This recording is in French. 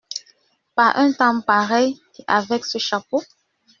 Par un temps pareil et avec ce chapeau ?…